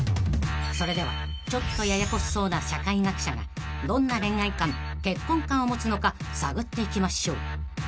［それではちょっとややこしそうな社会学者がどんな恋愛観結婚観を持つのか探っていきましょう］